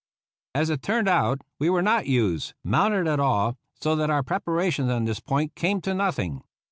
As it turned out, we were not used mounted at all, so that our preparations on this point came to nothing.